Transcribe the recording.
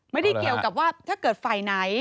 ไม่ได้เกี่ยวกับว่าถ้าเกิดฝ่ายไหน